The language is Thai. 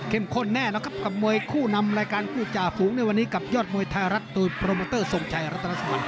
เข้มข้นแน่นะครับกับมวยคู่นำรายการคู่จาภูงศ์ในวันนี้กับยอดมวยไทยรัฐตัวโปรโมเตอร์ส่งชัยรัฐรัฐศาสตร์